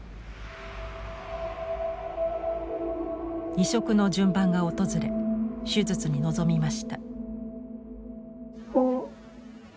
移植の順番が訪れ手術に臨みました。